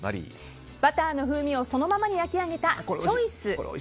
バターの風味をそのままに焼き上げた、チョイス。